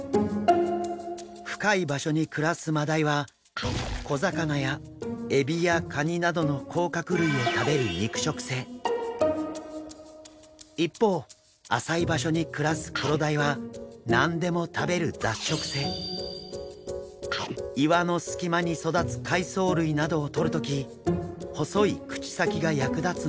深い場所に暮らすマダイは小魚やエビやカニなどの甲殻類を食べる一方浅い場所に暮らすクロダイは何でも食べる岩の隙間に育つ海藻類などをとる時細い口先が役立つんです。